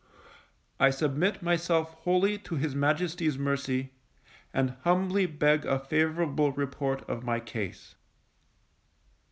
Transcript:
I submit myself wholly to his Majesty's mercy, and humbly beg a favourable report of my case.